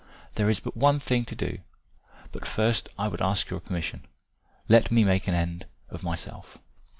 There is but one thing to do, but first I would ask your permission. Let me make an end of myself."